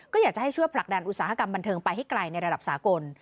ก็อยากจะให้ช่วยผลักดันอุตสาหกรรมบันเทิงไปให้ไกลในระดับสากล